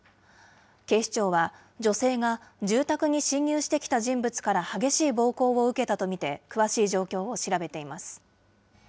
警視庁は、女性が住宅に侵入してきた人物から激しい暴行を受けたと見て、詳しい状況を調べています。